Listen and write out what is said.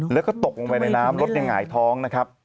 แล้วก็ตกลงไปในน้ำรถยังหายท้อง